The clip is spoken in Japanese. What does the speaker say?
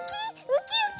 ウキウキ！